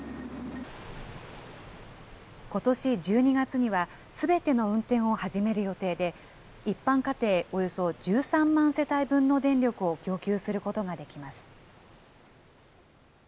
ことし１２月には、すでにの運転を始める予定で、一般家庭およそ１３万世帯分の電力を供給することができます。